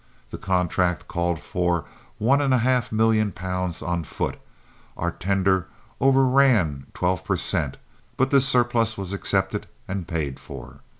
The contract called for one and a half million pounds on foot; our tender overran twelve per cent; but this surplus was accepted and paid for.